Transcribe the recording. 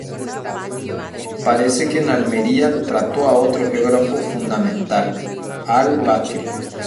Parece que en Almería trató a otro geógrafo fundamental: al-Bakri.